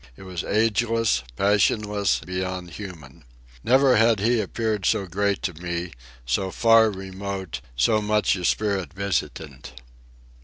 It was ageless, passionless, beyond human. Never had he appeared so great to me, so far remote, so much a spirit visitant.